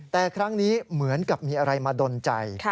แต่ครั้งนี้เหมือนกับมีอะไรมาดนใจ